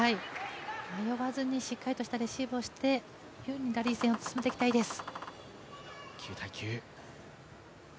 迷わずにしっかりとしたレシーブをしてラリー戦に進みたいです。